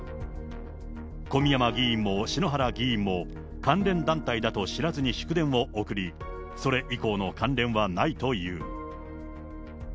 小宮山議員も篠原議員も関連団体だと知らずに祝電を送り、それ以降の関連はないという。